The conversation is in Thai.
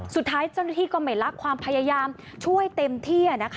สุดท้ายเจ้าหน้าที่ก็ไม่ลักความพยายามช่วยเต็มที่